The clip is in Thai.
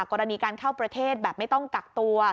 กรณีการเข้าประเทศแบบไม่ต้องกักตัว